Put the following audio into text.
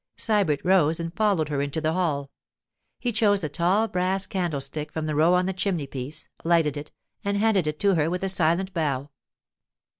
Sybert rose and followed her into the hall. He chose a tall brass candlestick from the row on the chimney piece, lighted it, and handed it to her with a silent bow.